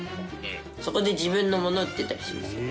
そこで自分のものを売ってたりします。